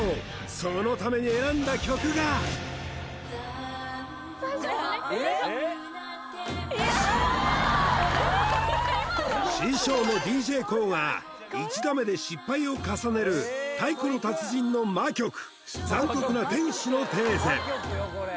そのために選んだ曲が師匠のＤＪＫＯＯが１打目で失敗を重ねる太鼓の達人の魔曲「残酷な天使のテーゼ」